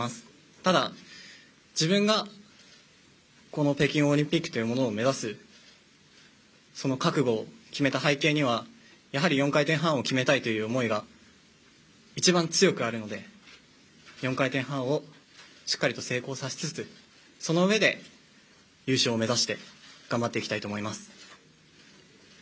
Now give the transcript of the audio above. ただ、自分が北京オリンピックというものを目指す覚悟を決めた背景には４回転半を決めたいという思いが一番強くあるので４回転半をしっかりと成功させつつその上で優勝を目指して頑張っていきたいと思います。